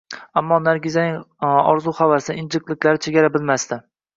Ammo Nargizaning orzu-havasi, injiqliklari chegara bilmasdi